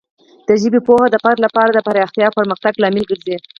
د ژبې پوهه د فرد لپاره د پراختیا او پرمختګ لامل ګرځي.